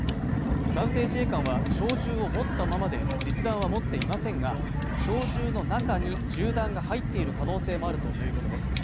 男性自衛官は小銃を持ったままで、実弾は持っていませんが、小銃の中に銃弾が入っている可能性もあるということです。